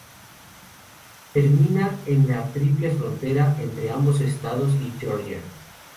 Termina en la triple frontera entre ambos estados y Georgia.